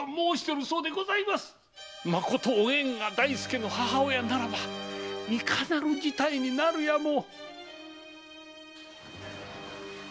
まことおえんが大助の母親ならばいかなる事態になるやも！